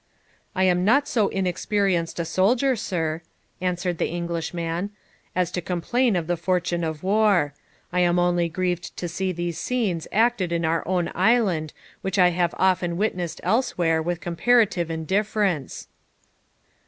'I am not so inexperienced a soldier, sir,' answered the Englishman, 'as to complain of the fortune of war. I am only grieved to see those scenes acted in our own island which I have often witnessed elsewhere with comparative indifference.'